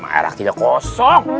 air raktinya kosong